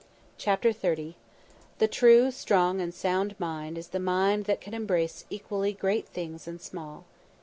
CHAPTER XXX "_The true, strong, and sound mind is the mind that can embrace equally great things and small.